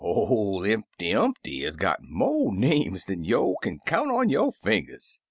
"Or Impty Umpty is got mo' names dan yo' kin count on yo' fingers.